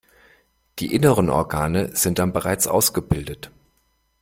Die inneren Organe sind dann bereits ausgebildet.